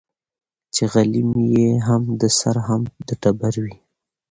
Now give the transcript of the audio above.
چي غلیم یې هم د سر هم د ټبر وي